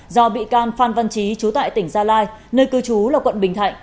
do bị can phan văn trí chú tại tỉnh gia lai nơi cư trú là quận bình thạnh